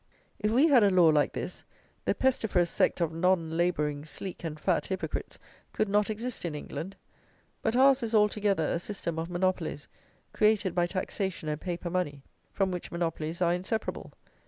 If we had a law like this, the pestiferous sect of non labouring, sleek and fat hypocrites could not exist in England. But ours is, altogether, a system of monopolies, created by taxation and paper money, from which monopolies are inseparable.